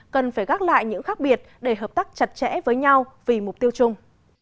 cần phải gác lại những khác biệt để hợp tác chặt chẽ với nhau vì mục tiêu chung